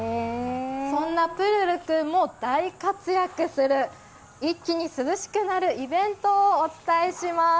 そんなプルル君も大活躍する一気に涼しくなるイベントをお伝えします。